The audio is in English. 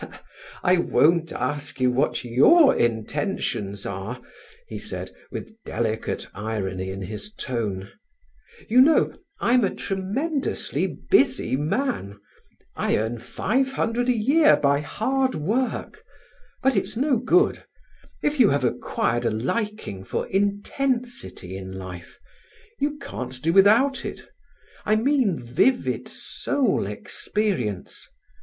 "I won't ask you what your intentions are," he said, with delicate irony in his tone. "You know, I am a tremendously busy man. I earn five hundred a year by hard work; but it's no good. If you have acquired a liking for intensity in life, you can't do without it. I mean vivid soul experience.